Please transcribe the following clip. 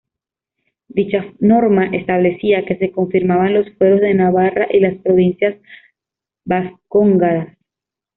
Dicha norma establecía que se confirmaban los fueros de Navarra y las Provincias Vascongadas.